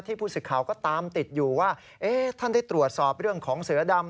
ผู้สื่อข่าวก็ตามติดอยู่ว่าท่านได้ตรวจสอบเรื่องของเสือดำ